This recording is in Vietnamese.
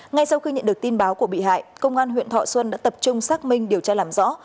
ngay sau khi nhận được tin báo của bị hại công an huyện thọ xuân đã tập trung xác minh điều tra làm rõ